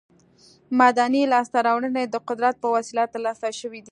مدني لاسته راوړنې د قدرت په وسیله تر لاسه شوې دي.